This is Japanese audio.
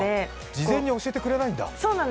事前に教えてくれないんだ。